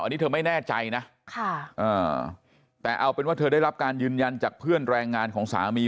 อันนี้เธอไม่แน่ใจนะแต่เอาเป็นว่าเธอได้รับการยืนยันจากเพื่อนแรงงานของสามี